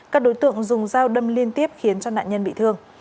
các đối tượng dùng dao đâm liên tiếp khiến cho nạn nhân bị thương